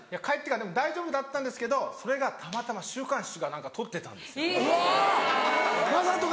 帰ってからでも大丈夫だったんですけどそれがたまたま週刊誌か何か撮ってたんですよ。